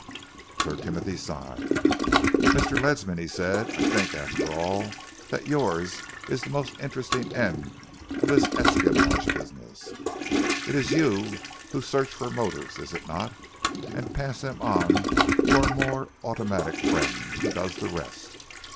Sir Timothy sighed. "Mr. Ledsam," he said, "I think, after all, that yours is the most interesting end of this espionage business. It is you who search for motives, is it not, and pass them on to our more automatic friend, who does the rest.